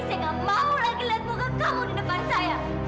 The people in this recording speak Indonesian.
saya gak mau lagi lihat muka kamu di depan saya